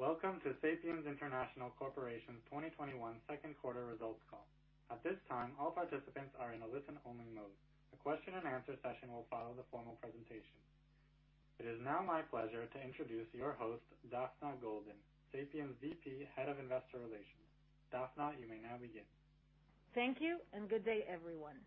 Welcome to Sapiens International Corporation's 2021 second quarter results call. At this time, all participants are in a listen-only mode. A question and answer session will follow the formal presentation. It is now my pleasure to introduce your host, Daphna Golden, Sapiens VP, Head of Investor Relations. Daphna, you may now begin. Thank you. Good day, everyone.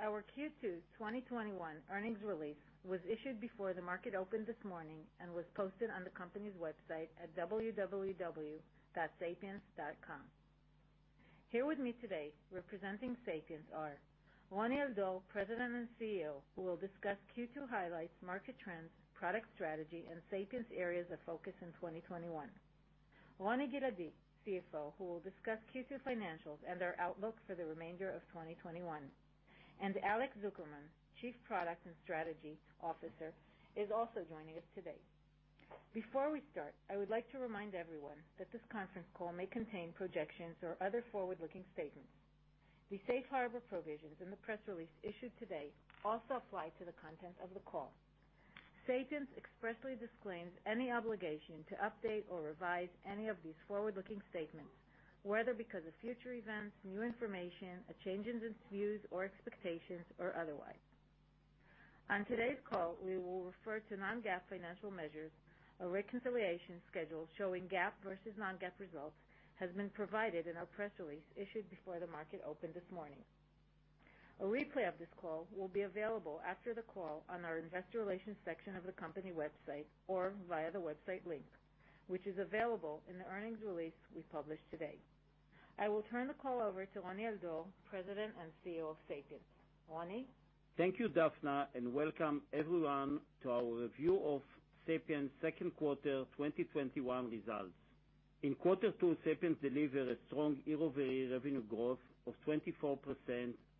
Our Q2 2021 earnings release was issued before the market opened this morning and was posted on the company's website at www.sapiens.com. Here with me today representing Sapiens are Roni Al-Dor, President and CEO, who will discuss Q2 highlights, market trends, product strategy, and Sapiens' areas of focus in 2021. Roni Giladi, CFO, who will discuss Q2 financials and our outlook for the remainder of 2021. Alex Zukerman, Chief Product and Strategy Officer, is also joining us today. Before we start, I would like to remind everyone that this conference call may contain projections or other forward-looking statements. The safe harbor provisions in the press release issued today also apply to the content of the call. Sapiens expressly disclaims any obligation to update or revise any of these forward-looking statements, whether because of future events, new information, a change in its views or expectations, or otherwise. On today's call, we will refer to non-GAAP financial measures. A reconciliation schedule showing GAAP versus non-GAAP results has been provided in our press release issued before the market opened this morning. A replay of this call will be available after the call on our Investor Relations section of the company website or via the website link, which is available in the earnings release we published today. I will turn the call over to Roni Al-Dor, President and CEO of Sapiens. Roni? Thank you, Daphna, and welcome everyone to our review of Sapiens' second quarter 2021 results. In quarter two, Sapiens delivered a strong year-over-year revenue growth of 24%,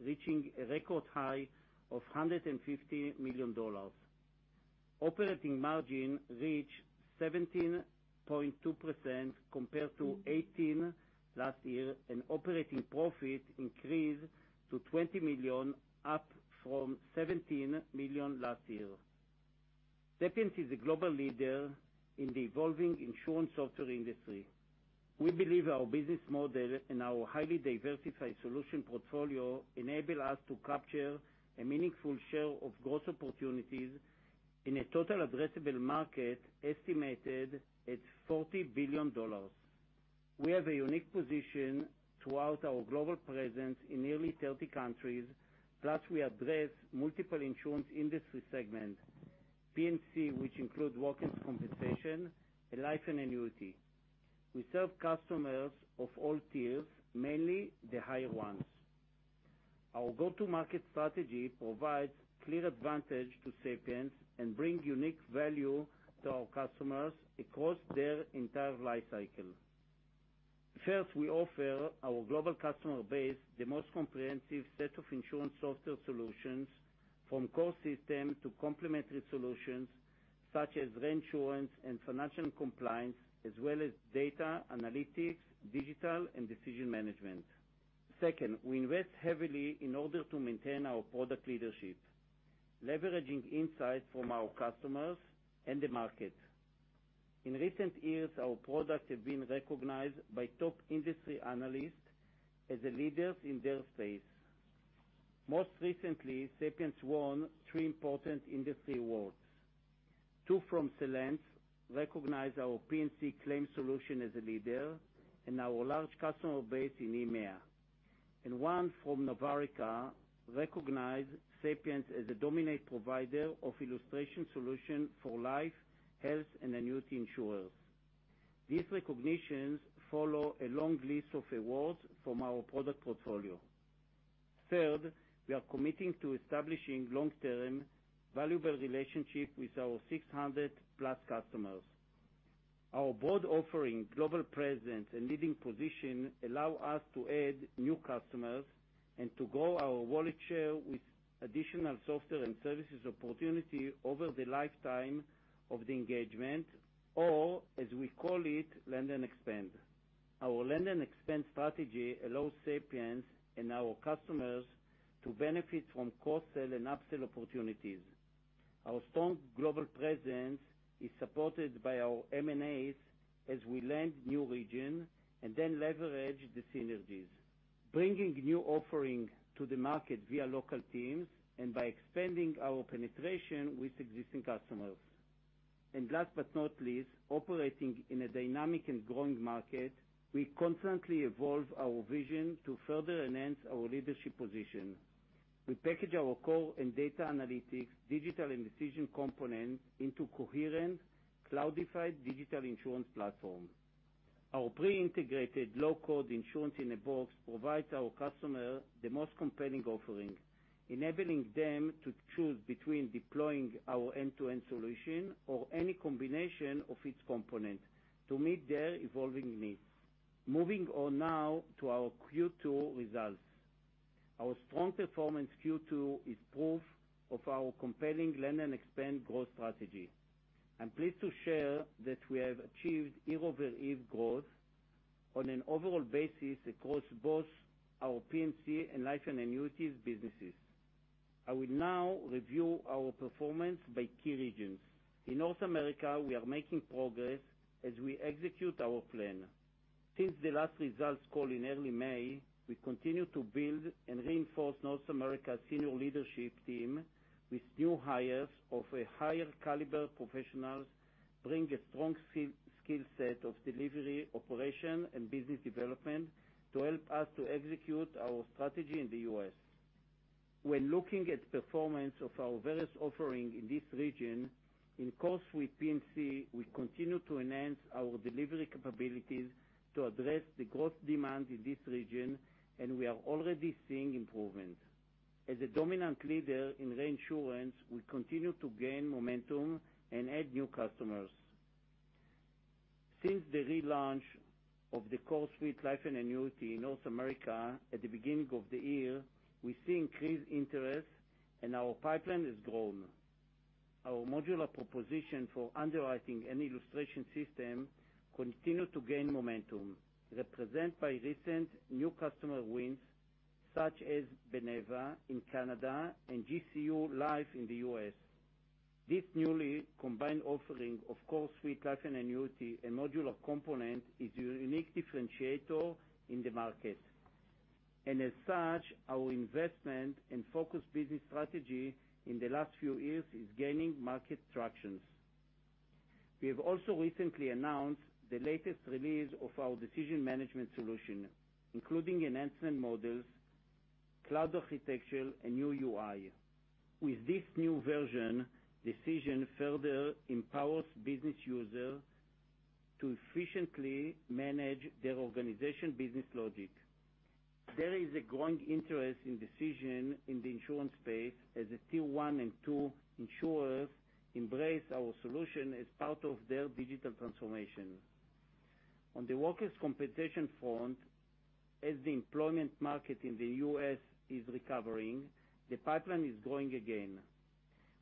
reaching a record high of $150 million. Operating margin reached 17.2% compared to 18% last year, and operating profit increased to $20 million, up from $17 million last year. Sapiens is a global leader in the evolving insurance software industry. We believe our business model and our highly diversified solution portfolio enable us to capture a meaningful share of growth opportunities in a total addressable market estimated at $40 billion. We have a unique position throughout our global presence in nearly 30 countries, plus we address multiple insurance industry segments, P&C, which include workers' compensation, and life and annuity. We serve customers of all tiers, mainly the higher ones. Our go-to-market strategy provides clear advantage to Sapiens and bring unique value to our customers across their entire life cycle. First, we offer our global customer base the most comprehensive set of insurance software solutions, from core system to complementary solutions, such as reinsurance and financial compliance, as well as data analytics, digital, and decision management. Second, we invest heavily in order to maintain our product leadership, leveraging insights from our customers and the market. In recent years, our product has been recognized by top industry analysts as the leaders in their space. Most recently, Sapiens won three important industry awards. Two from Celent, recognize our P&C claims solution as a leader and our large customer base in EMEA. One from Novarica, recognize Sapiens as a dominant provider of illustration solution for life, health, and annuity insurers. These recognitions follow a long list of awards from our product portfolio. Third, we are committing to establishing long-term, valuable relationship with our 600+ customers. Our broad offering, global presence, and leading position allow us to add new customers and to grow our wallet share with additional software and services opportunity over the lifetime of the engagement, or, as we call it, land and expand. Our land and expand strategy allows Sapiens and our customers to benefit from cross-sell and upsell opportunities. Our strong global presence is supported by our M&As as we land new region and then leverage the synergies, bringing new offering to the market via local teams and by expanding our penetration with existing customers. Last but not least, operating in a dynamic and growing market, we constantly evolve our vision to further enhance our leadership position. We package our core and data analytics, digital, and decision component into coherent, cloud-native digital insurance platform. Our pre-integrated low-code insurance-in-a-box provides our customer the most compelling offering, enabling them to choose between deploying our end-to-end solution or any combination of its component to meet their evolving needs. Moving on now to our Q2 results. Our strong performance Q2 is proof of our compelling land and expand growth strategy. I'm pleased to share that we have achieved year-over-year growth on an overall basis across both our P&C and Life & Annuities businesses. I will now review our performance by key regions. In North America, we are making progress as we execute our plan. Since the last results call in early May, we continue to build and reinforce North America's senior leadership team with new hires of a higher caliber professionals, bring a strong skill set of delivery, operation, and business development to help us to execute our strategy in the U.S.. When looking at performance of our various offering in this region, in CoreSuite for P&C, we continue to enhance our delivery capabilities to address the growth demand in this region, and we are already seeing improvement. As a dominant leader in reinsurance, we continue to gain momentum and add new customers. Since the relaunch of the CoreSuite for Life & Annuities in North America at the beginning of the year, we see increased interest and our pipeline has grown. Our modular proposition for underwriting an illustration system continue to gain momentum, represent by recent new customer wins, such as Beneva in Canada and GCU Life in the U.S. This newly combined offering of CoreSuite for Life & Annuities and modular component is a unique differentiator in the market. As such, our investment and focus business strategy in the last few years is gaining market tractions. We have also recently announced the latest release of our Decision management solution, including enhancement models, cloud architecture, and new UI. With this new version, Decision further empowers business user to efficiently manage their organization business logic. There is a growing interest in Decision in the insurance space as a Tier 1 and 2 insurers embrace our solution as part of their digital transformation. On the workers' compensation front, as the employment market in the U.S. is recovering, the pipeline is growing again.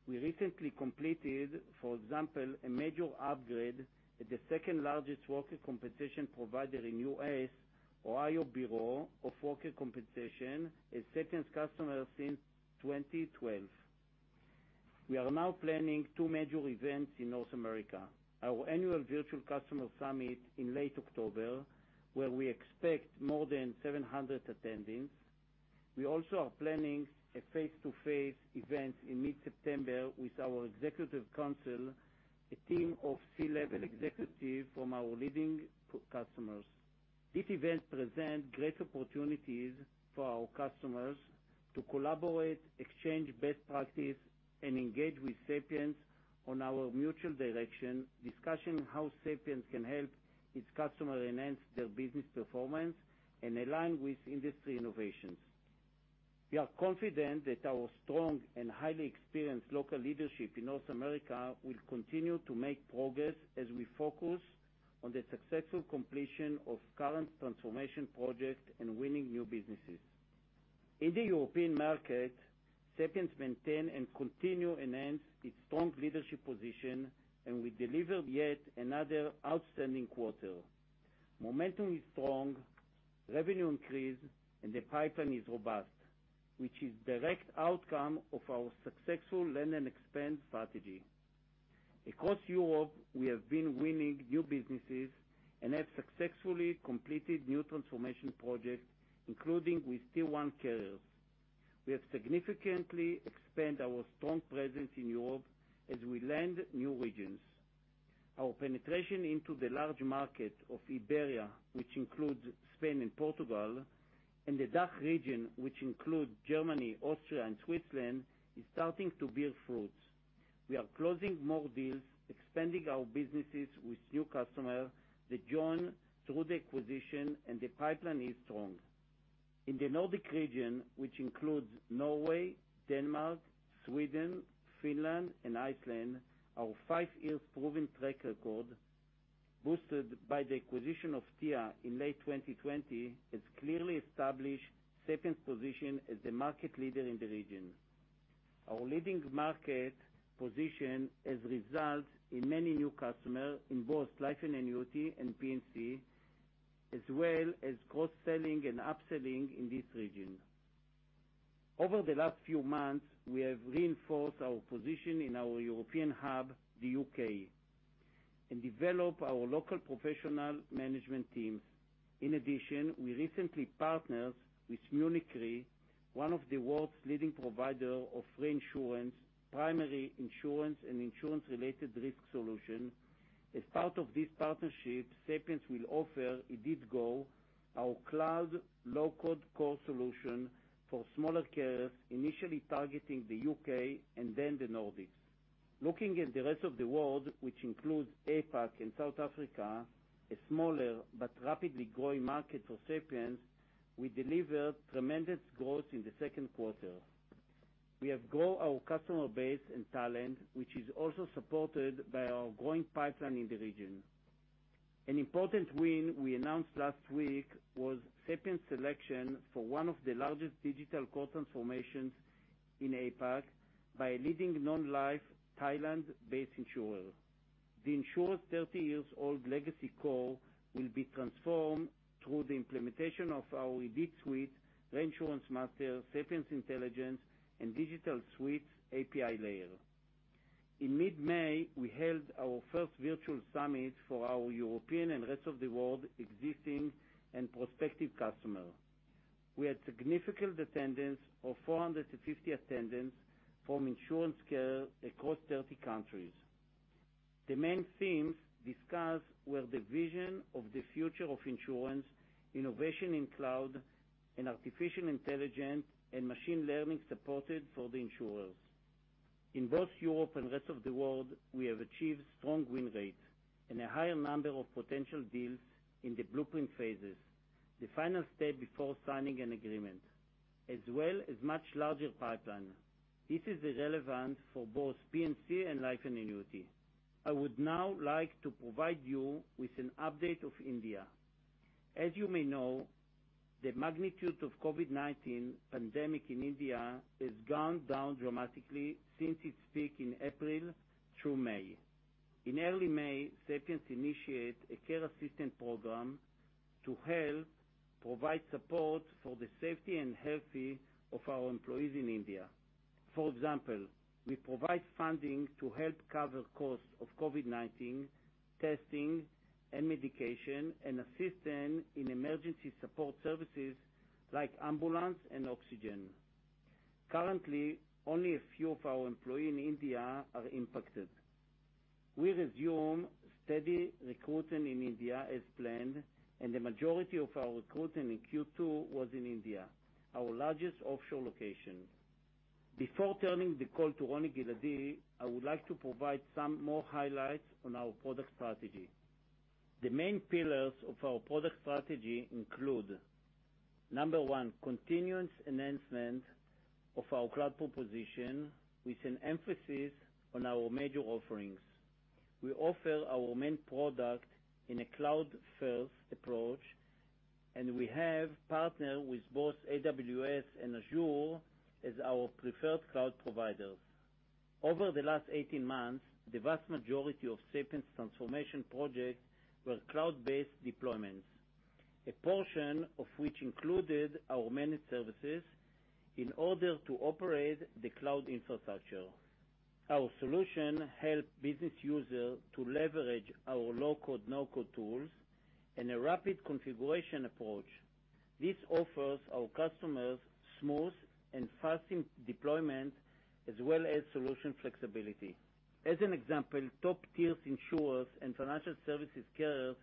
We recently completed, for example, a major upgrade at the second-largest workers' compensation provider in U.S., Ohio Bureau of Workers' Compensation, as Sapiens customer since 2012. We are now planning two major events in North America. Our annual virtual customer summit in late October, where we expect more than 700 attendees. We also are planning a face-to-face event in mid-September with our executive council, a team of C-level executives from our leading customers. This event presents great opportunities for our customers to collaborate, exchange best practices, and engage with Sapiens on our mutual direction, discussing how Sapiens can help its customers enhance their business performance and align with industry innovations. We are confident that our strong and highly experienced local leadership in North America will continue to make progress as we focus on the successful completion of current transformation projects and winning new businesses. In the European market, Sapiens maintains and continues to enhance its strong leadership position. We deliver yet another outstanding quarter. Momentum is strong, revenue increases, and the pipeline is robust, which is a direct outcome of our successful land and expand strategy. Across Europe, we have been winning new businesses and have successfully completed new transformation projects, including with Tier 1 carriers. We have significantly expand our strong presence in Europe as we land new regions. Our penetration into the large market of Iberia, which includes Spain and Portugal, and the DACH region, which includes Germany, Austria, and Switzerland, is starting to bear fruit. We are closing more deals, expanding our businesses with new customers that join through the acquisition, and the pipeline is strong. In the Nordic region, which includes Norway, Denmark, Sweden, Finland, and Iceland, our five years proven track record, boosted by the acquisition of Tia in late 2020, has clearly established Sapiens' position as the market leader in the region. Our leading market position has result in many new customers in both Life & Annuity and P&C, as well as cross-selling and upselling in this region. Over the last few months, we have reinforced our position in our European hub, the U.K., and develop our local professional management teams. In addition, we recently partners with Munich Re, one of the world's leading provider of reinsurance, primary insurance, and insurance-related risk solution. As part of this partnership, Sapiens will offer IDIT Go, our cloud low-code core solution for smaller carriers, initially targeting the U.K. and then the Nordics. Looking at the rest of the world, which includes APAC and South Africa, a smaller but rapidly growing market for Sapiens, we delivered tremendous growth in the second quarter. We have grow our customer base and talent, which is also supported by our growing pipeline in the region. An important win we announced last week was Sapiens' selection for one of the largest digital core transformations in APAC by a leading non-life Thailand-based insurer. The insurer's 30-year-old legacy core will be transformed through the implementation of our IDITSuite, Sapiens ReinsuranceMaster, Sapiens Intelligence, and DigitalSuite's API layer. In mid-May, we held our first virtual summit for our European and rest of the world existing and prospective customers. We had significant attendance of 450 attendees from the insurance sector across 30 countries. The main themes discussed were the vision of the future of insurance, innovation in cloud, artificial intelligence and machine learning, supported for the insurers. In both Europe and rest of the world, we have achieved strong win rate and a higher number of potential deals in the blueprint phase, the final step before signing an agreement, as well as much larger pipeline. This is relevant for both P&C and life and annuity. I would now like to provide you with an update of India. As you may know, the magnitude of COVID-19 pandemic in India has gone down dramatically since its peak in April through May. In early May, Sapiens initiate a care assistant program to help provide support for the safety and health of our employee in India. For example, we provide funding to help cover costs of COVID-19 testing and medication, and assist them in emergency support services like ambulance and oxygen. Currently, only a few of our employee in India are impacted. We resume steady recruiting in India as planned, and the majority of our recruiting in Q2 was in India, our largest offshore location. Before turning the call to Roni Giladi, I would like to provide some more highlights on our product strategy. The main pillars of our product strategy include, number one, continuous enhancement of our cloud proposition with an emphasis on our major offerings. We offer our main product in a cloud-first approach, and we have partnered with both AWS and Azure as our preferred cloud providers. Over the last 18 months, the vast majority of Sapiens transformation projects were cloud-based deployments, a portion of which included our managed services in order to operate the cloud infrastructure. Our solution helps business users to leverage our low-code, no-code tools in a rapid configuration approach. This offers our customers smooth and fast deployment as well as solution flexibility. As an example, top-tier insurers and financial services carriers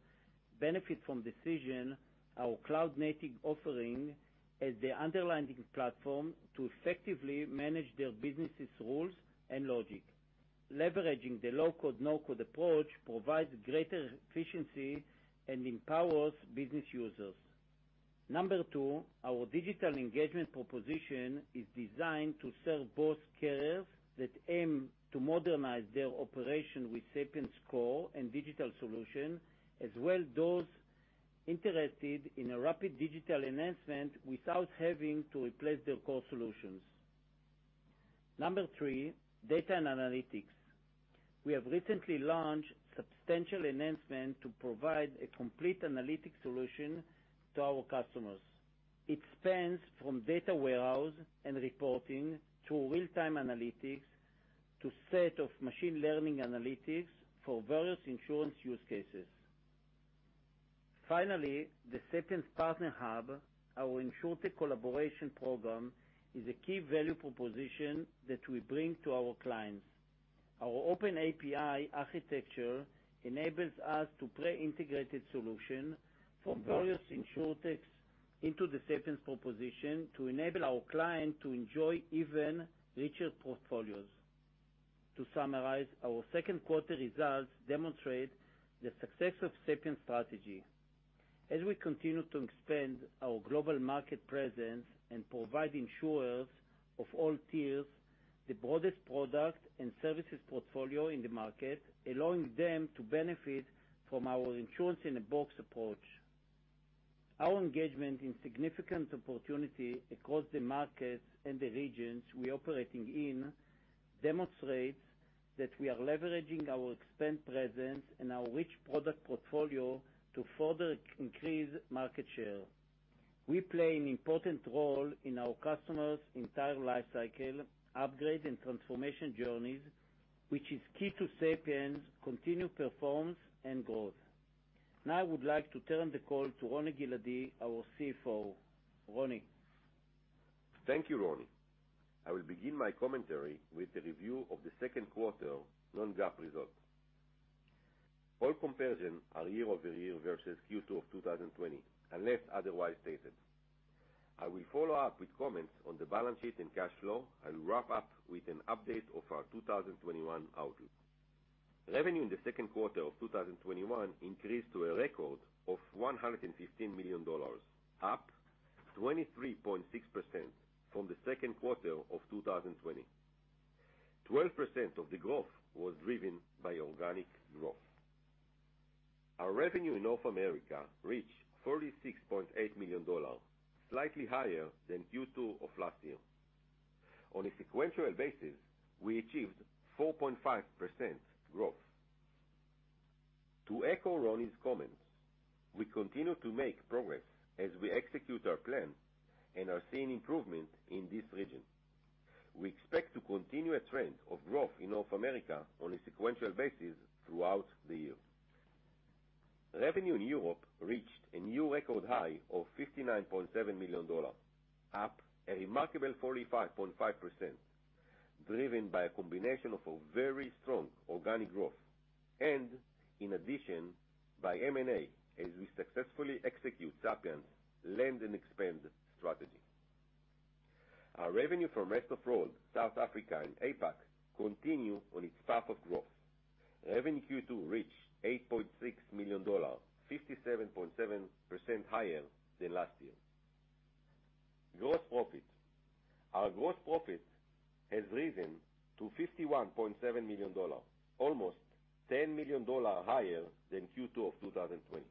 benefit from Decision, our cloud-native offering, as the underlying platform to effectively manage their businesses' rules and logic. Leveraging the low-code, no-code approach provides greater efficiency and empowers business users. Number two, our digital engagement proposition is designed to serve both carriers that aim to modernize their operation with Sapiens Core and Digital Solution as well those interested in a rapid digital enhancement without having to replace their core solutions. Number three, data and analytics. We have recently launched substantial enhancements to provide a complete analytic solution to our customers. It spans from data warehouse and reporting to real-time analytics to set of machine learning analytics for various insurance use cases. Finally, the Sapiens Partner Hub, our Insurtech collaboration program, is a key value proposition that we bring to our clients. Our open API architecture enables us to plug integrated solutions from various Insurtech into the Sapiens proposition to enable our clients to enjoy even richer portfolios. To summarize, our second quarter results demonstrate the success of Sapiens strategy. As we continue to expand our global market presence and provide insurers of all tiers the broadest product and services portfolio in the market, allowing them to benefit from our insurance-in-a-box approach. Our engagement in significant opportunity across the markets and the regions we operating in demonstrates that we are leveraging our expand presence and our rich product portfolio to further increase market share. We play an important role in our customers' entire life cycle, upgrade and transformation journeys, which is key to Sapiens continued performance and growth. Now I would like to turn the call to Roni Giladi, our CFO. Roni. Thank you, Roni. I will begin my commentary with the review of the second quarter non-GAAP results. All comparison are year-over-year versus Q2 of 2020, unless otherwise stated. I will follow up with comments on the balance sheet and cash flow. I'll wrap up with an update of our 2021 outlook. Revenue in the second quarter of 2021 increased to a record of $115 million, up 23.6% from the second quarter of 2020. 12% of the growth was driven by organic growth. Our revenue in North America reached $46.8 million, slightly higher than Q2 of last year. On a sequential basis, we achieved 4.5% growth. To echo Roni's comments, we continue to make progress as we execute our plan and are seeing improvement in this region. We expect to continue a trend of growth in North America on a sequential basis throughout the year. Revenue in Europe reached a new record high of $59.7 million, up a remarkable 45.5%, driven by a combination of a very strong organic growth and in addition by M&A, as we successfully execute Sapiens' land and expand strategy. Our revenue from rest of world, South Africa and APAC, continue on its path of growth. Revenue in Q2 reached $8.6 million, 57.7% higher than last year. Gross profit. Our gross profit has risen to $51.7 million, almost $10 million higher than Q2 of 2020.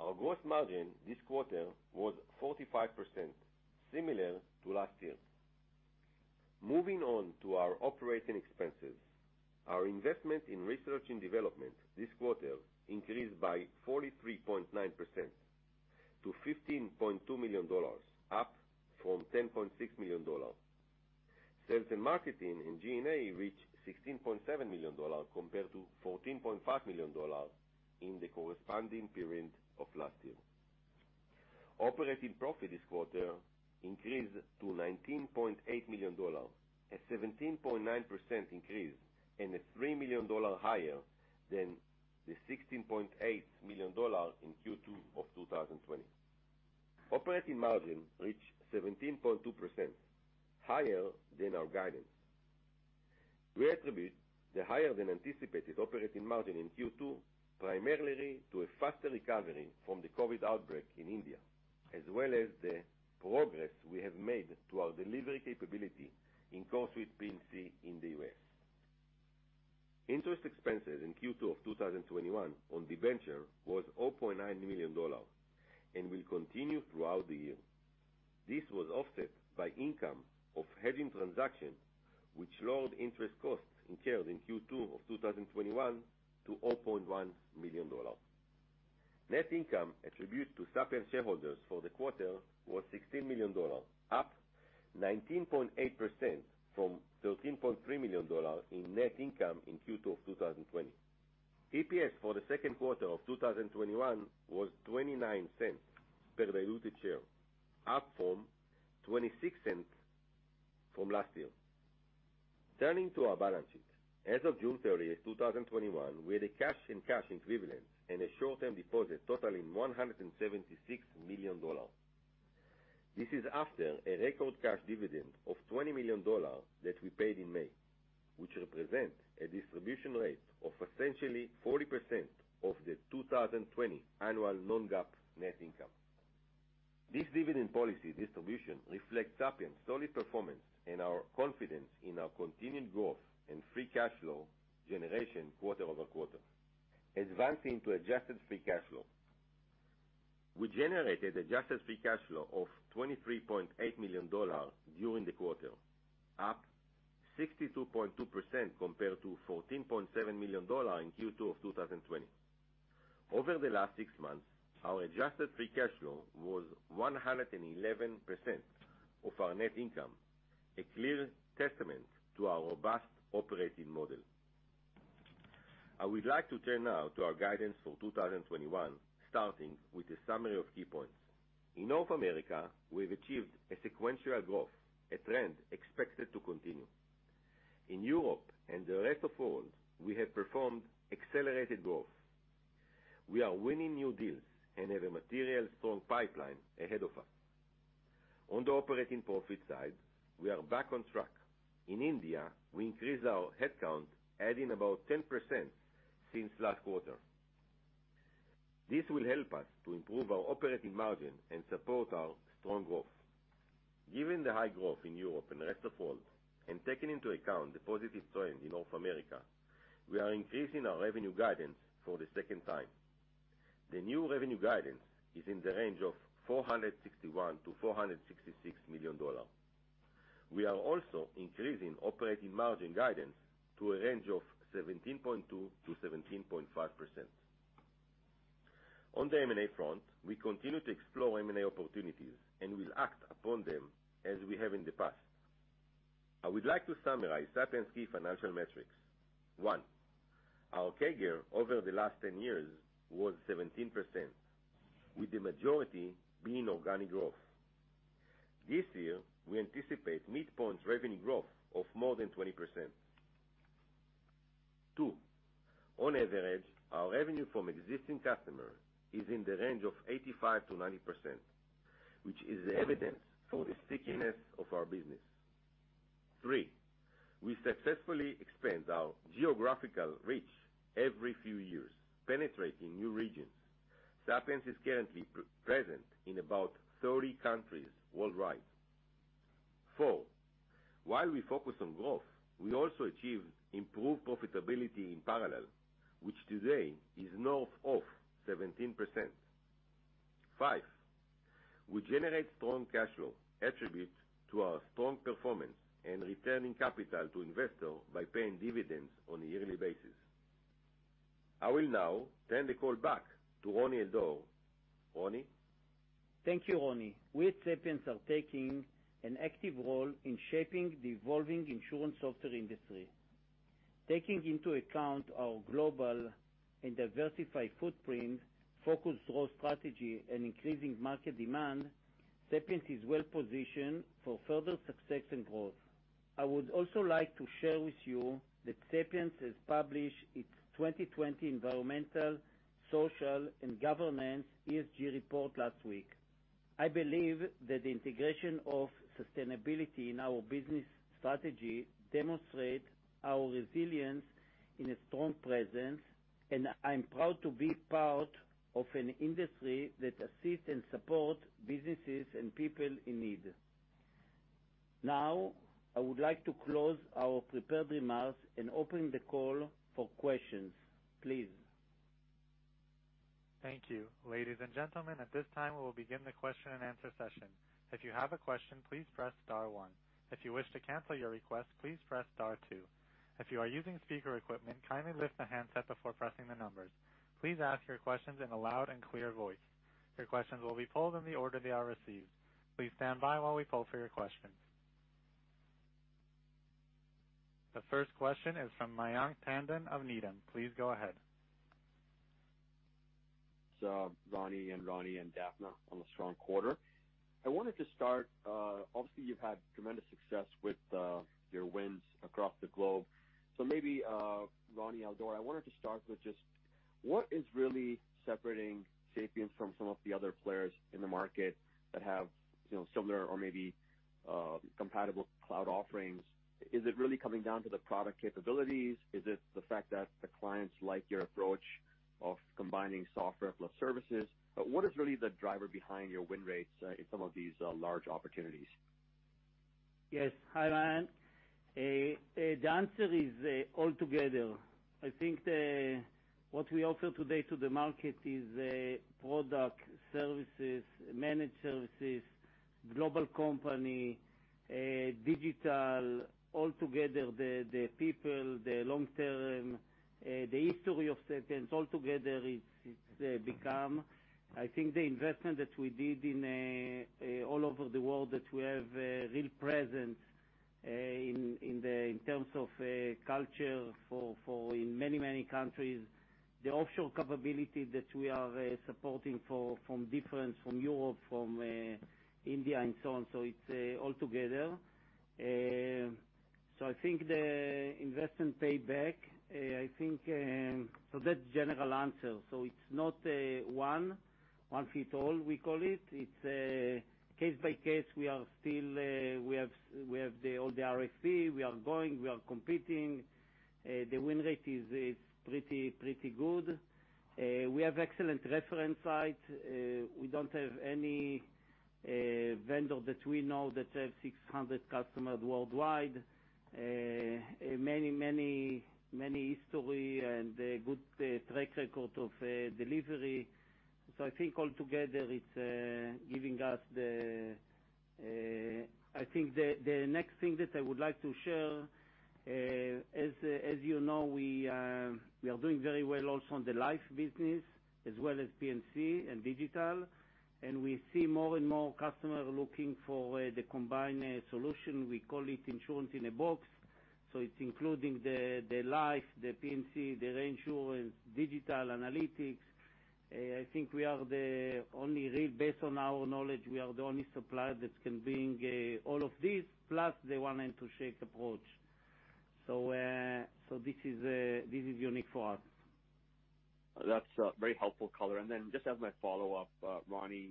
Our gross margin this quarter was 45%, similar to last year. Moving on to our operating expenses, our investment in research and development this quarter increased by 43.9% to $15.2 million, up from $10.6 million. Sales and marketing and G&A reached $16.7 million compared to $14.5 million in the corresponding period of last year. Operating profit this quarter increased to $19.8 million, a 17.9% increase and a $3 million higher than the $16.8 million in Q2 of 2020. Operating margin reached 17.2%, higher than our guidance. We attribute the higher than anticipated operating margin in Q2 primarily to a faster recovery from the COVID outbreak in India, as well as the progress we have made to our delivery capability in CoreSuite for P&C in the U.S. Interest expenses in Q2 of 2021 on debenture was $0.9 million and will continue throughout the year. This was offset by income of hedging transaction, which lowered interest costs incurred in Q2 of 2021 to $0.1 million. Net income attributed to Sapiens shareholders for the quarter was $16 million, up 19.8% from $13.3 million in net income in Q2 of 2020. EPS for the second quarter of 2021 was $0.29 per diluted share, up from $0.26 from last year. Turning to our balance sheet. As of June 30th, 2021, we had a cash and cash equivalent and a short-term deposit totaling $176 million. This is after a record cash dividend of $20 million that we paid in May, which represent a distribution rate of essentially 40% of the 2020 annual non-GAAP net income. This dividend policy distribution reflects Sapiens' solid performance and our confidence in our continued growth and free cash flow generation quarter-over-quarter. Advancing to adjusted free cash flow. We generated adjusted free cash flow of $23.8 million during the quarter, up 62.2% compared to $14.7 million in Q2 of 2020. Over the last six months, our adjusted free cash flow was 111% of our net income, a clear testament to our robust operating model. I would like to turn now to our guidance for 2021, starting with a summary of key points. In North America, we've achieved a sequential growth, a trend expected to continue. In Europe and the rest of world, we have performed accelerated growth. We are winning new deals and have a material strong pipeline ahead of us. On the operating profit side, we are back on track. In India, we increased our headcount, adding about 10% since last quarter. This will help us to improve our operating margin and support our strong growth. Given the high growth in Europe and rest of world, and taking into account the positive trend in North America, we are increasing our revenue guidance for the second time. The new revenue guidance is in the range of $461 million-$466 million. We are also increasing operating margin guidance to a range of 17.2%-17.5%. On the M&A front, we continue to explore M&A opportunities and will act upon them as we have in the past. I would like to summarize Sapiens' key financial metrics. One, our CAGR over the last 10 years was 17%, with the majority being organic growth. This year, we anticipate mid-point revenue growth of more than 20%. Two, on average, our revenue from existing customers is in the range of 85%-90%, which is evidence for the stickiness of our business. Three, we successfully expand our geographical reach every few years, penetrating new regions. Sapiens is currently present in about 30 countries worldwide. Four, while we focus on growth, we also achieve improved profitability in parallel, which today is north of 17%. Five, we generate strong cash flow, attributed to our strong performance and returning capital to investors by paying dividends on a yearly basis. I will now turn the call back to Roni Al-Dor. Roni? Thank you, Roni. We at Sapiens are taking an active role in shaping the evolving insurance software industry. Taking into account our global and diversified footprint, focused growth strategy, and increasing market demand, Sapiens is well-positioned for further success and growth. I would also like to share with you that Sapiens has published its 2020 environmental, social, and governance ESG report last week. I believe that the integration of sustainability in our business strategy demonstrate our resilience and a strong presence, and I'm proud to be part of an industry that assists and support businesses and people in need. Now, I would like to close our prepared remarks and open the call for questions. Please. Thank you. Ladies and gentlemen, at this time, we will begin the question and answer session. If you have a question, please press star one. If you wish to cancel your request, please press star two. If you are using speaker equipment, kindly lift the handset before pressing the numbers. Please ask your questions in a loud and clear voice. Your questions will be pulled in the order they are received. Please stand by while we pull for your questions. The first question is from Mayank Tandon of Needham. Please go ahead. Roni and Roni and Daphna, on the strong quarter. I wanted to start, obviously, you've had tremendous success with your wins across the globe. Maybe, Roni Al-Dor, I wanted to start with just what is really separating Sapiens from some of the other players in the market that have similar or maybe compatible cloud offerings. Is it really coming down to the product capabilities? Is it the fact that the clients like your approach of combining software plus services? What is really the driver behind your win rates in some of these large opportunities? Yes. Hi, Mayank. The answer is all together. I think what we offer today to the market is product, services, managed services, global company, digital. The people, the long-term, the history of Sapiens all together, it's become. I think the investment that we did in all over the world, that we have a real presence in terms of culture in many, many countries. The offshore capability that we are supporting from difference from Europe, from India and so on. It's all together. I think the investment payback, so that's general answer. It's not a one fit all, we call it. It's case by case. We have all the RFP. We are competing. The win rate is pretty good. We have excellent reference sites. We don't have any vendor that we know that have 600 customers worldwide. Many history and a good track record of delivery. I think the next thing that I would like to share, as you know, we are doing very well also on the life business as well as P&C and digital, and we see more and more customers looking for the combined solution. We call it insurance-in-a-box. It's including the life, the P&C, the reinsurance, digital analytics. Based on our knowledge, we are the only supplier that can bring all of this, plus the one Insurtech approach. This is unique for us. That's a very helpful color. Just as my follow-up, Roni,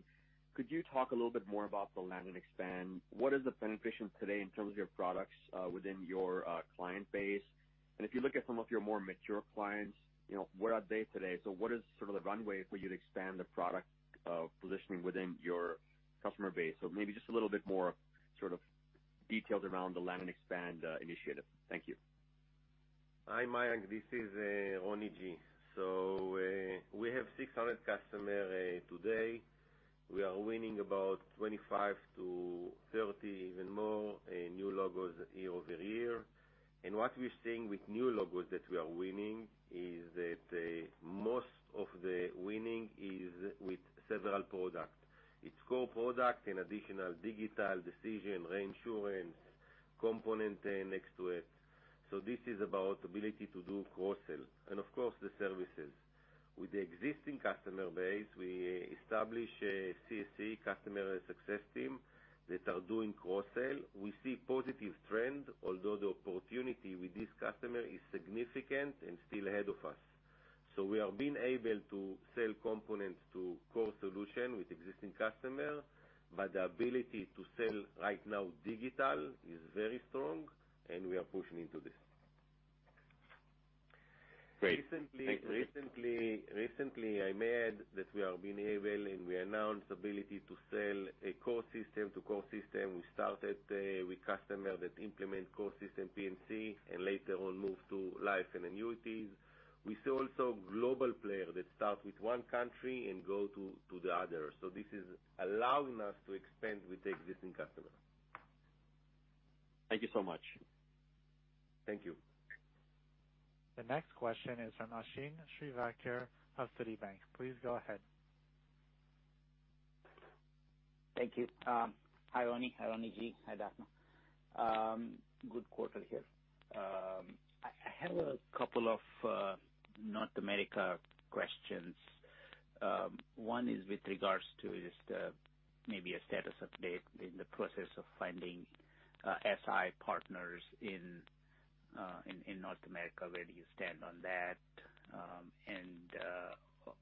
could you talk a little bit more about the land and expand? What is the penetration today in terms of your products within your client base? If you look at some of your more mature clients, where are they today? What is sort of the runway for you to expand the product positioning within your customer base? Maybe just a little bit more sort of details around the land and expand initiative. Thank you. Hi, Mayank. This is Roni G. We have 600 customer today. We are winning about 25-30, even more, new logos year-over-year. What we're seeing with new logos that we are winning is that most of the winning is with several product. It's core product and additional digital Decision reinsurance component next to it. This is about ability to do cross-sell, and of course, the services. With the existing customer base, we establish a CST, Customer Success Team, that are doing cross-sell. We see positive trend, although the opportunity with this customer is significant and still ahead of us. We are being able to sell components to core solution with existing customer, but the ability to sell right now Digital is very strong, and we are pushing into this. Great. Thank you. Recently, we announced the ability to sell a core system to core system. We started with customers that implemented core system P&C, and later on moved to life and annuities. We see also global players that start with one country and go to the other. This is allowing us to expand with existing customers. Thank you so much. Thank you. The next question is from Ashwin Shirvaikar of Citibank. Please go ahead. Thank you. Hi, Roni. Hi, Roni G. Hi, Daphna. Good quarter here. I have a couple of North America questions. One is with regards to just maybe a status update in the process of finding SI partners in North America. Where do you stand on that?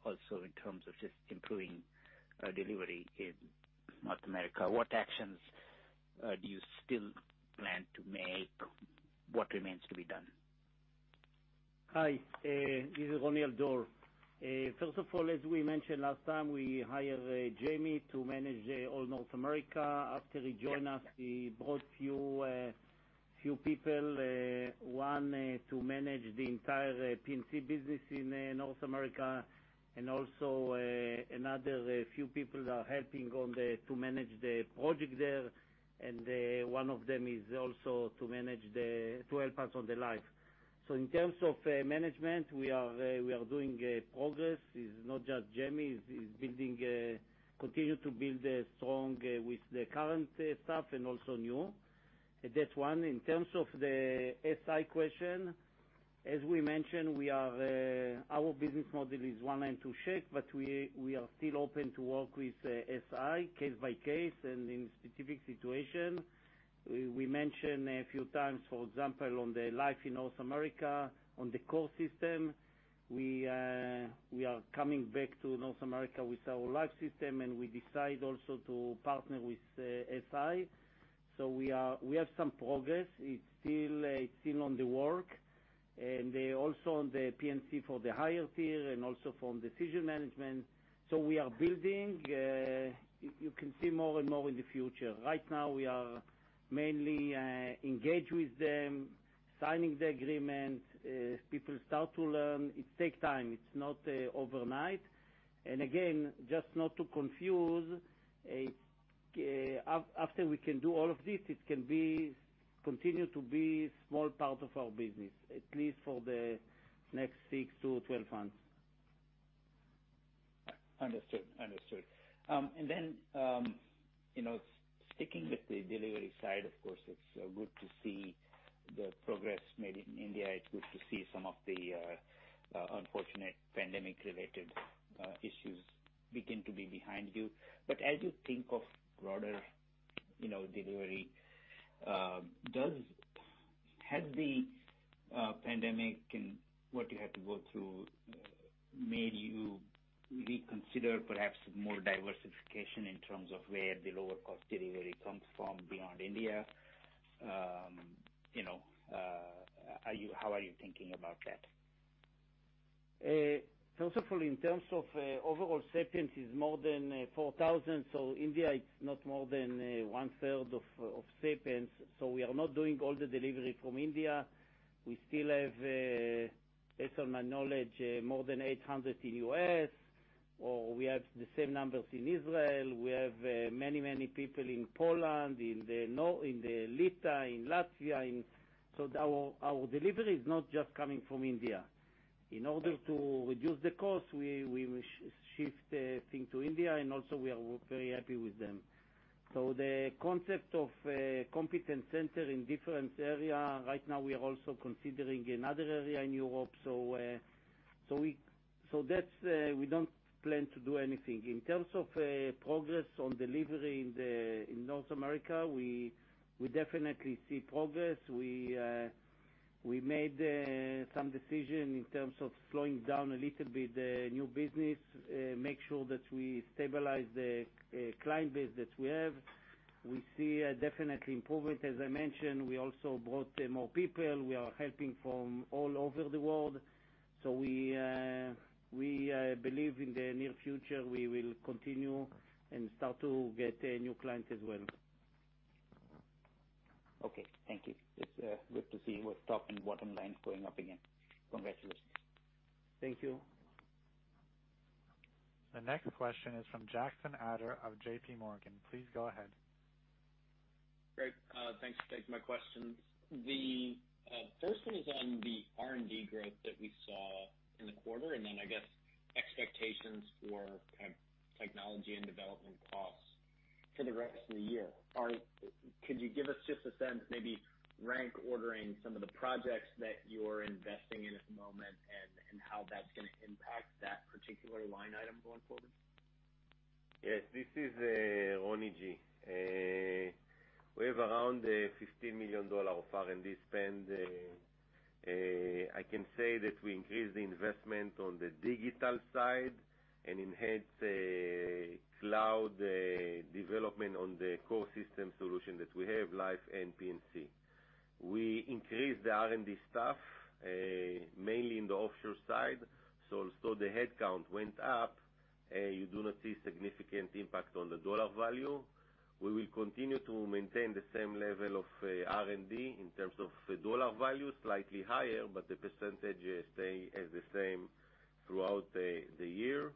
Also in terms of just improving delivery in North America, what actions do you still plan to make? What remains to be done? Hi, this is Roni Al-Dor. First of all, as we mentioned last time, we hire Jamie to manage all North America. After he join us, he brought few people. One, to manage the entire P&C business in North America, also another few people are helping to manage the project there, one of them is also to help us on the Life. In terms of management, we are doing progress. It's not just Jamie, is continue to build strong with the current staff and also new. That's one. In terms of the SI question, as we mentioned, our business model is one and two shape, we are still open to work with SI case by case and in specific situation. We mention a few times, for example, on the Life in North America, on the core system. We are coming back to North America with our life system, and we decide also to partner with SI. We have some progress. It's still on the work, and also on the P&C for the higher tier and also from decision management. We are building. You can see more and more in the future. Right now, we are mainly engaged with them, signing the agreement. People start to learn. It take time. It's not overnight. Again, just not to confuse, after we can do all of this, it can continue to be small part of our business, at least for the next 6-12 months. Understood. Sticking with the delivery side, of course, it's good to see the progress made in India. It's good to see some of the unfortunate pandemic-related issues begin to be behind you. As you think of broader delivery, has the pandemic and what you had to go through made you reconsider perhaps more diversification in terms of where the lower cost delivery comes from beyond India? How are you thinking about that? First of all, in terms of overall, Sapiens is more than 4,000. India is not more than 1/3 of Sapiens. We are not doing all the delivery from India. We still have, based on my knowledge, more than 800 in U.S., or we have the same numbers in Israel. We have many people in Poland, in Lithuania, in Latvia. Our delivery is not just coming from India. In order to reduce the cost, we shift things to India, and also we are very happy with them. The concept of competence center in different areas. Right now, we are also considering another area in Europe. We don't plan to do anything. In terms of progress on delivery in North America, we definitely see progress. We made some decision in terms of slowing down a little bit the new business, make sure that we stabilize the client base that we have. We see a definitely improvement. As I mentioned, we also brought more people. We are helping from all over the world. We believe in the near future, we will continue and start to get new client as well. Okay. Thank you. It is good to see both top and bottom line going up again. Congratulations. Thank you. The next question is from Jackson Ader of JPMorgan. Please go ahead. Great. Thanks for taking my questions. The first one is on the R&D growth that we saw in the quarter, and then I guess expectations for kind of technology and development costs for the rest of the year. Could you give us just a sense, maybe rank ordering some of the projects that you're investing in at the moment, and how that's going to impact that particular line item going forward? Yes. This is Roni G. We have around $15 million of R&D spend. I can say that we increase the investment on the digital side and enhance cloud development on the core system solution that we have, Life and P&C. We increased the R&D staff, mainly in the offshore side. Although the headcount went up, you do not see significant impact on the dollar value. We will continue to maintain the same level of R&D in terms of dollar value, slightly higher, but the percentage stay as the same throughout the year.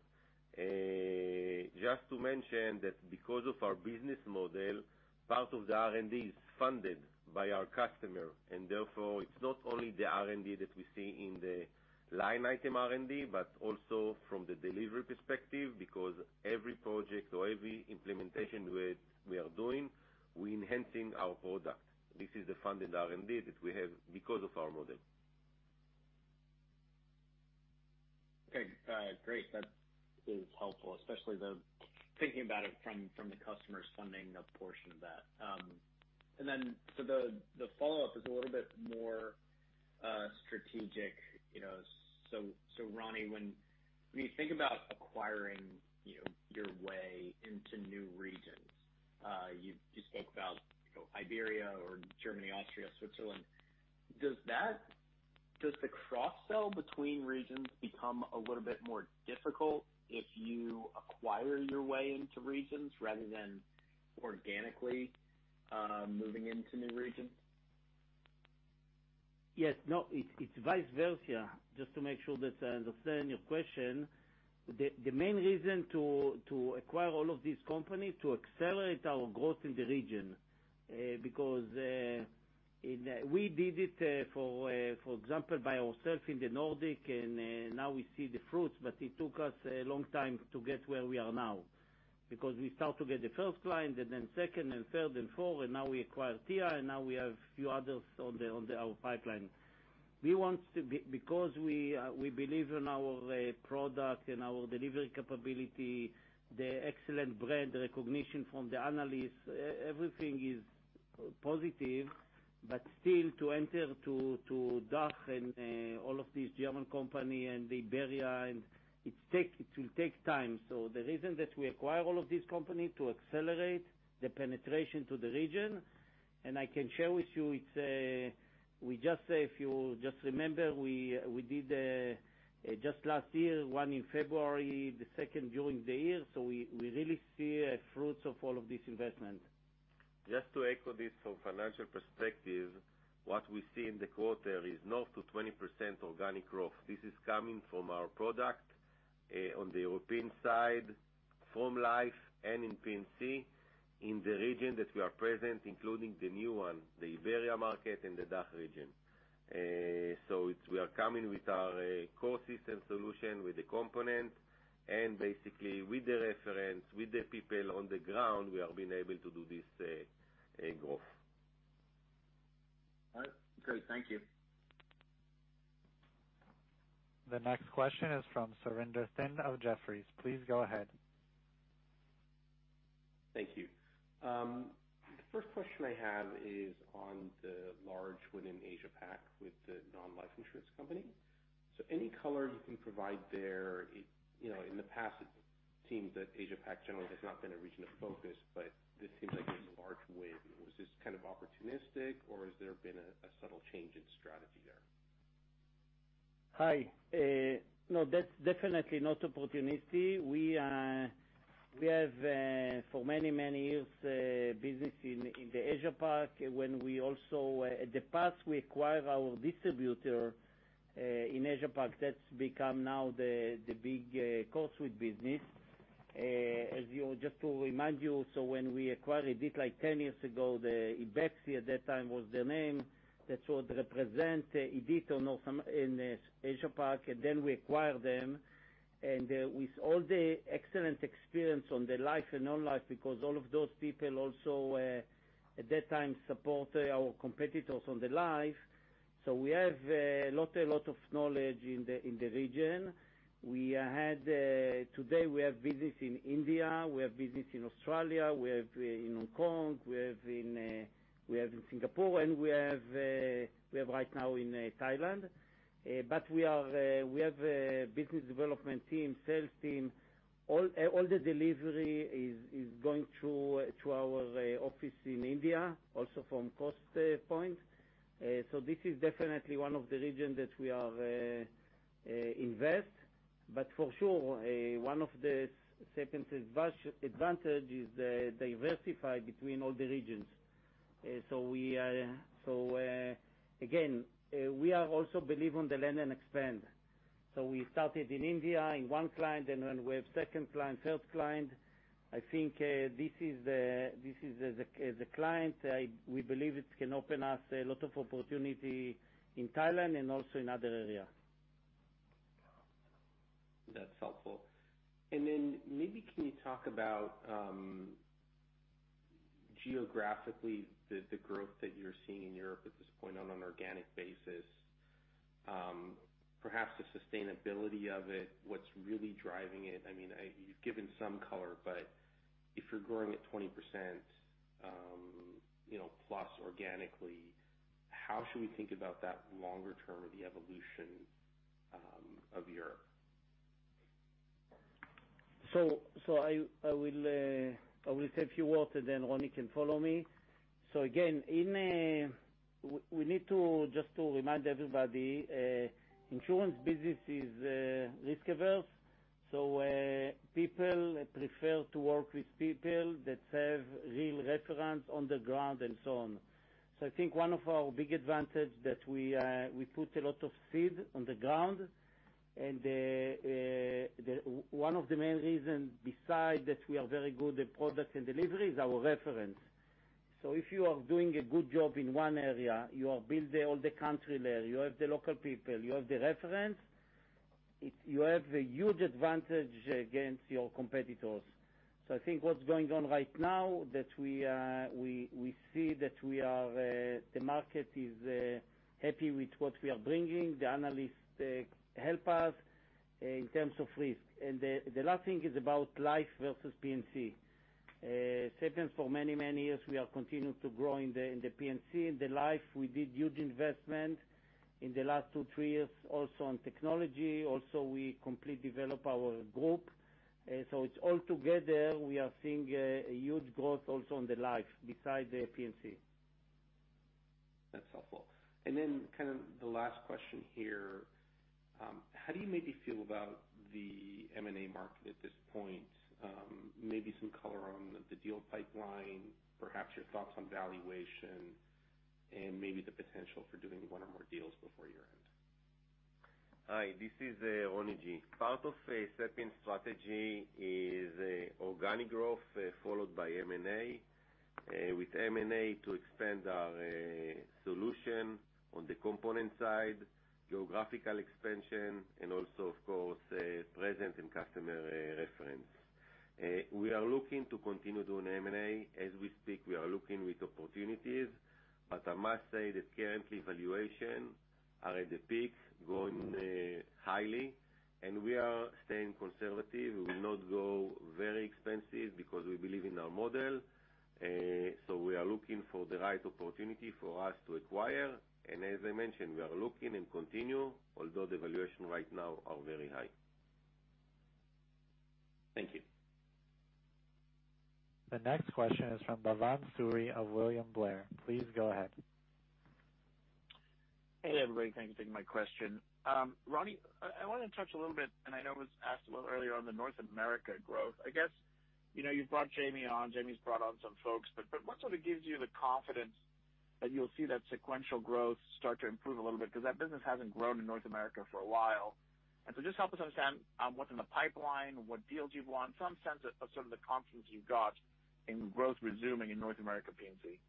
Just to mention that because of our business model, part of the R&D is funded by our customer, and therefore, it's not only the R&D that we see in the line item R&D, but also from the delivery perspective, because every project or every implementation we are doing, we're enhancing our product. This is the funded R&D that we have because of our model. Okay, great. That is helpful, especially the thinking about it from the customer's funding a portion of that. The follow-up is a little bit more strategic. Roni, when you think about acquiring your way into new regions, you spoke about Iberia or Germany, Austria, Switzerland. Does the cross-sell between regions become a little bit more difficult if you acquire your way into regions rather than organically moving into new regions? Yes. No, it's vice versa. Just to make sure that I understand your question. The main reason to acquire all of these companies, to accelerate our growth in the region. Because we did it, for example, by ourselves in the Nordic, and now we see the fruits, but it took us a long time to get where we are now. Because we start to get the first client, and then second, and third, and fourth, and now we acquire Tia, and now we have few others on our pipeline. Because we believe in our product and our delivery capability, the excellent brand recognition from the analysts, everything is positive. Still to enter to DACH and all of these German company and Iberia, it will take time. The reason that we acquire all of these company, to accelerate the penetration to the region. I can share with you, if you just remember, we did, just last year, one in February, the second during the year. We really see fruits of all of this investment. Just to echo this from financial perspective, what we see in the quarter is north to 20% organic growth. This is coming from our product, on the European side, from life and in P&C, in the region that we are present, including the new one, the Iberia market and the DACH region. We are coming with our core system solution with the component, and basically with the reference, with the people on the ground, we have been able to do this growth. All right, great. Thank you. The next question is from Surinder Thind of Jefferies. Please go ahead. Thank you. The first question I have is on the large win in Asia-Pac with the non-life insurance company. Any color you can provide there. In the past, it seemed that Asia-Pac generally has not been a region of focus, but this seems like it's a large win. Was this kind of opportunistic, or has there been a subtle change in strategy there? Hi. No, that's definitely not opportunistic. We have, for many, many years, business in the Asia-Pac. In the past, we acquire our distributor in Asia-Pac. That's become now the big core suite business. Just to remind you also, when we acquired it, like 10 years ago, IBEXI at that time was the name that would represent IDIT in Asia-Pac, and then we acquired them. And with all the excellent experience on the life and non-life, because all of those people also, at that time, support our competitors on the life. So we have a lot of knowledge in the region. Today, we have business in India, we have business in Australia, we have in Hong Kong, we have in Singapore, and we have right now in Thailand. But we have a business development team, sales team. All the delivery is going through our office in India, also from cost point. This is definitely one of the region that we invest. For sure, one of the Sapiens' advantage is the diversify between all the regions. Again, we are also believe on the land and expand. We started in India in one client, and when we have second client, third client, I think this is the client, we believe it can open us a lot of opportunity in Thailand and also in other area. That's helpful. Maybe can you talk about geographically the growth that you're seeing in Europe at this point on an organic basis, perhaps the sustainability of it, what's really driving it? You've given some color. If you're growing at 20%+ organically, how should we think about that longer term or the evolution of Europe? I will say a few words, and then Roni can follow me. Again, we need to just to remind everybody, insurance business is risk-averse, so people prefer to work with people that have real reference on the ground and so on. I think one of our big advantage that we put a lot of seed on the ground, and one of the main reasons beside that we are very good at product and delivery is our reference. If you are doing a good job in one area, you have built all the country there, you have the local people. You have the reference, you have a huge advantage against your competitors. I think what's going on right now, that we see that the market is happy with what we are bringing. The analysts help us in terms of risk. The last thing is about life versus P&C. Sapiens, for many years, we are continuing to grow in the P&C. In the life, we did huge investment in the last two, three years, also on technology, also, we completely develop our group. It's all together, we are seeing a huge growth also on the life besides the P&C. That's helpful. Then kind of the last question here, how do you maybe feel about the M&A market at this point? Maybe some color on the deal pipeline, perhaps your thoughts on valuation, and maybe the potential for doing one or more deals before year-end. Hi, this is Roni G. Part of Sapiens' strategy is organic growth, followed by M&A, with M&A to expand our solution on the component side, geographical expansion, and also, of course, presence and customer reference. We are looking to continue doing M&A. As we speak, we are looking with opportunities, but I must say that currently valuation are at the peak, going high, and we are staying conservative. We will not go very expensive because we believe in our model. We are looking for the right opportunity for us to acquire. As I mentioned, we are looking and continue, although the valuation right now are very high. Thank you. The next question is from Bhavan Suri of William Blair. Please go ahead. Hey, everybody, thanks for taking my question. Roni, I wanted to touch a little bit, and I know it was asked a little earlier on the North America growth. I guess, you've brought Jamie on, Jamie's brought on some folks. What sort of gives you the confidence that you'll see that sequential growth start to improve a little bit? Because that business hasn't grown in North America for a while. Just help us understand what's in the pipeline, what deals you've won, some sense of sort of the confidence you've got in growth resuming in North America P&C.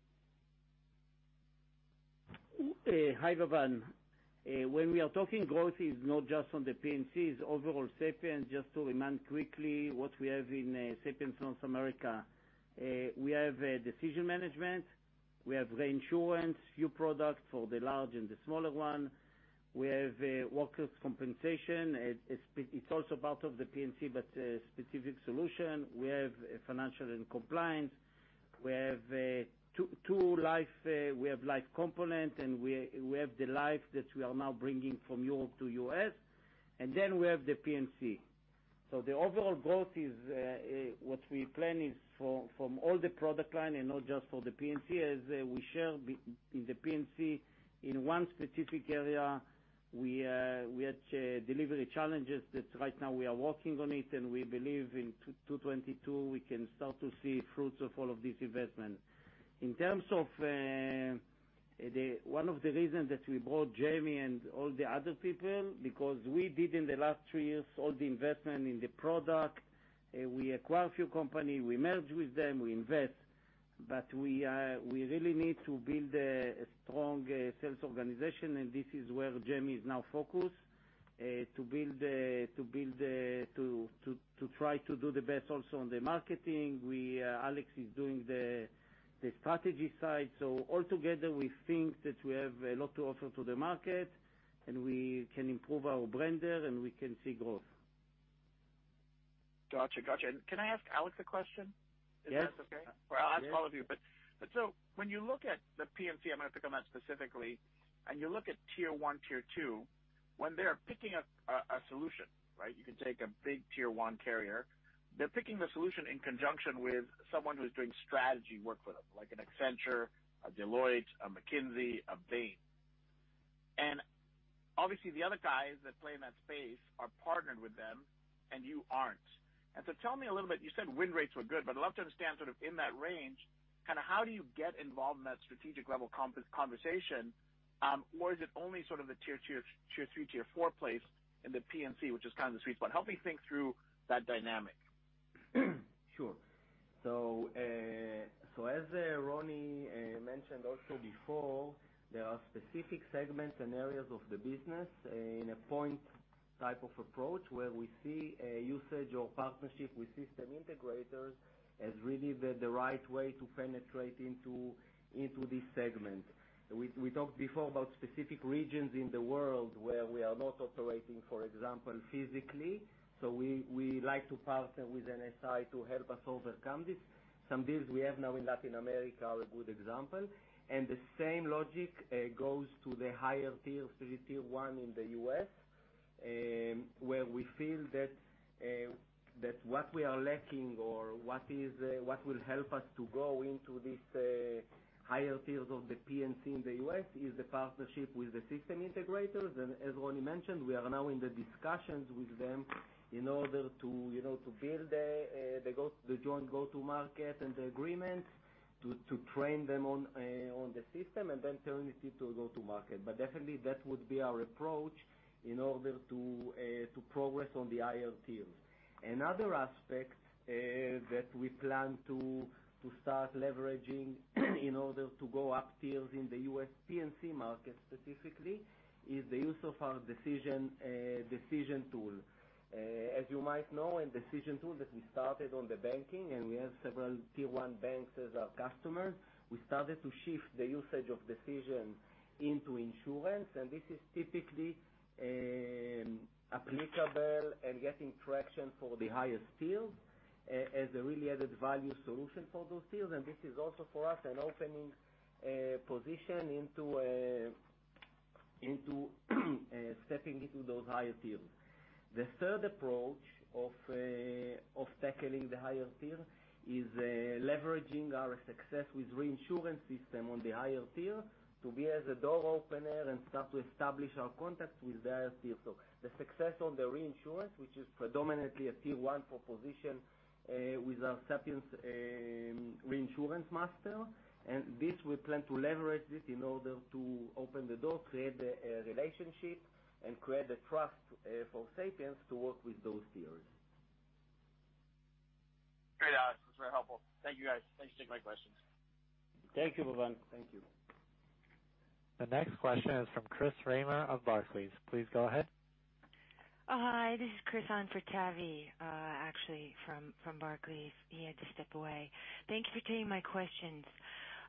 Hi, Bhavan. When we are talking growth is not just on the P&C, it's overall Sapiens. Just to remind quickly what we have in Sapiens North America. We have decision management. We have reinsurance, few products for the large and the smaller one. We have workers' compensation. It's also part of the P&C, but a specific solution. We have financial and compliance. We have life component, and we have the life that we are now bringing from Europe to U.S. We have the P&C. The overall growth is, what we plan is from all the product line and not just for the P&C, as we share in the P&C, in one specific area, we had delivery challenges that right now we are working on it, and we believe in 2022, we can start to see fruits of all of this investment. In terms of one of the reasons that we brought Jamie and all the other people, because we did in the last three years, all the investment in the product, we acquire a few companies, we merge with them, we invest. We really need to build a strong sales organization, and this is where Jamie is now focused, to try to do the best also on the marketing. Alex is doing the strategy side. Altogether, we think that we have a lot to offer to the market, and we can improve our pipeline, and we can see growth. Got you. Can I ask Alex a question? Yes. If that's okay. I'll ask all of you. When you look at the P&C, I'm going to pick on that specifically, and you look at Tier 1, Tier 2, when they're picking a solution, right? You can take a big Tier 1 carrier. They're picking the solution in conjunction with someone who's doing strategy work for them, like an Accenture, a Deloitte, a McKinsey, a Bain. Obviously, the other guys that play in that space are partnered with them, and you aren't. Tell me a little bit, you said win rates were good, but I'd love to understand sort of in that range, kind of how do you get involved in that strategic level conversation? Is it only sort of the Tier 2, Tier 3, Tier 4 place in the P&C, which is kind of the sweet spot? Help me think through that dynamic. Sure. As Roni mentioned also before, there are specific segments and areas of the business in a point type of approach where we see a usage or partnership with system integrators as really the right way to penetrate into this segment. We talked before about specific regions in the world where we are not operating, for example, physically. We like to partner with an SI to help us overcome this. Some deals we have now in Latin America are a good example. The same logic goes to the higher Tier 1 in the U.S. Where we feel that what we are lacking or what will help us to go into these higher tiers of the P&C in the U.S. is the partnership with the system integrators. As Roni mentioned, we are now in the discussions with them in order to build the joint go-to market and the agreements to train them on the system, and then turn it to go to market. Definitely that would be our approach in order to progress on the higher tiers. Another aspect that we plan to start leveraging in order to go up tiers in the U.S. P&C market specifically, is the use of our Sapiens Decision. As you might know, in Sapiens Decision that we started on the banking, and we have several Tier 1 banks as our customers. We started to shift the usage of Decision into insurance. This is typically applicable and getting traction for the highest tiers as a really added value solution for those tiers. This is also for us, an opening position into stepping into those higher tiers. The third approach of tackling the higher tier is leveraging our success with reinsurance system on the higher tier to be as a door opener and start to establish our contacts with their tier. The success on the reinsurance, which is predominantly a Tier 1 proposition with our Sapiens ReinsuranceMaster, and this we plan to leverage this in order to open the door, create the relationship, and create the trust for Sapiens to work with those tiers. Great. That's very helpful. Thank you, guys. Thanks for taking my questions. Thank you, Bhavan. Thank you. The next question is from Chris Reimer of Barclays. Please go ahead. Hi, this is Chris on for Tavy, actually from Barclays. He had to step away. Thank you for taking my questions.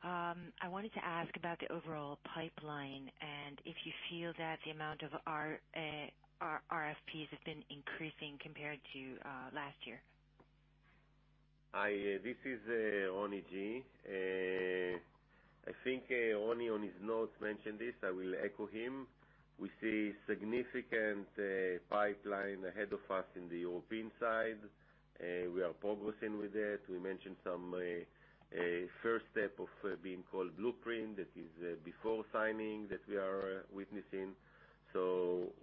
I wanted to ask about the overall pipeline and if you feel that the amount of RFPs have been increasing compared to last year. This is Roni G. I think Roni, on his notes, mentioned this, I will echo him. We see significant pipeline ahead of us in the European side. We are progressing with it. We mentioned some first step of being called blueprint. That is before signing that we are witnessing.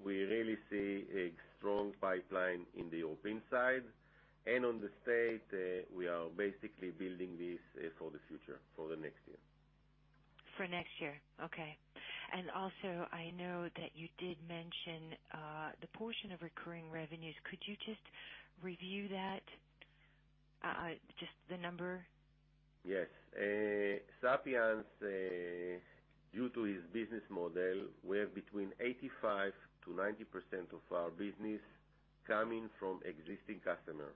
We really see a strong pipeline in the open side and on the state, we are basically building this for the future, for the next year. For next year. Okay. Also, I know that you did mention the portion of recurring revenues. Could you just review that, just the number? Yes. Sapiens, due to its business model, we have between 85%-90% of our business coming from existing customer,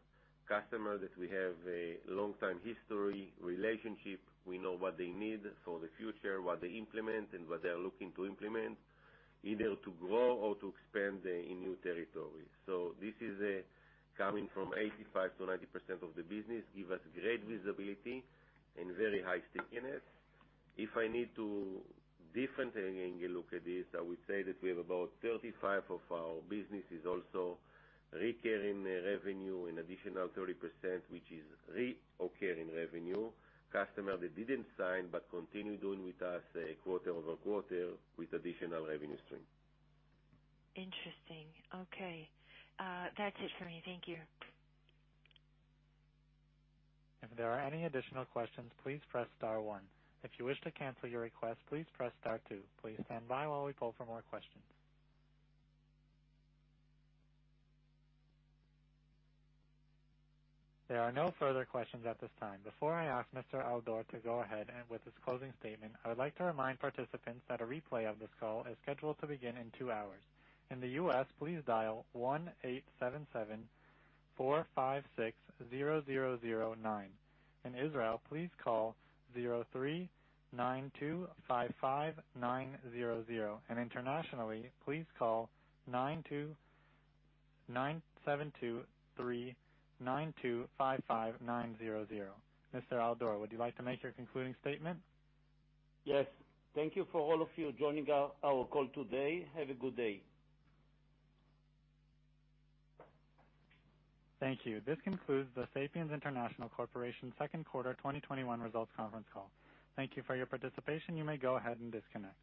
that we have a long-time history, relationship. We know what they need for the future, what they implement, and what they're looking to implement, either to grow or to expand in new territories. This is coming from 85%-90% of the business, give us great visibility and very high stickiness. If I need to different angle look at this, I would say that we have about 35% of our business is also recurring revenue, an additional 30%, which is reoccurring revenue. Customer that didn't sign but continue doing with us quarter-over-quarter with additional revenue stream. Interesting. Okay. That's it for me. Thank you. There are no further questions at this time. Before I ask Mr. Al-Dor to go ahead with his closing statement, I would like to remind participants that a replay of this call is scheduled to begin in two hours. In the U.S., please dial 1-877-456-0009. In Israel, please call 03-925-5900, and internationally, please call 972-3-925-5900. Mr. Al-Dor, would you like to make your concluding statement? Yes. Thank you for all of you joining our call today. Have a good day. Thank you. This concludes the Sapiens International Corporation second quarter 2021 results conference call. Thank you for your participation. You may go ahead and disconnect.